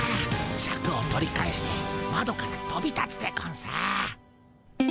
シャクを取り返してまどからとび立つでゴンス。